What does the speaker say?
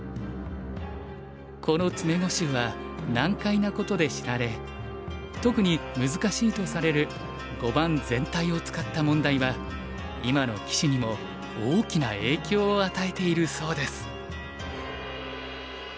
この詰碁集は難解なことで知られ特に難しいとされる碁盤全体を使った問題は今の棋士にも大きな影響を与えているそうです。